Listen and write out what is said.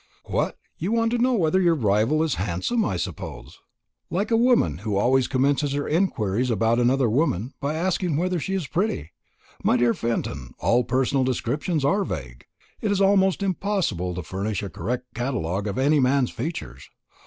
"What! you want to know whether your rival is handsome, I suppose? like a woman, who always commences her inquiries about another woman by asking whether she is pretty. My dear Fenton, all personal descriptions are vague. It is almost impossible to furnish a correct catalogue of any man's features.